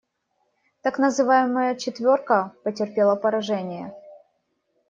Так называемая «четверка» потерпела поражение.